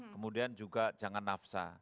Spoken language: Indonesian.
kemudian juga jangan nafsa